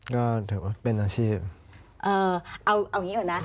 ก็ถือว่าเป็นอาชีพเอางี้ก่อนนะ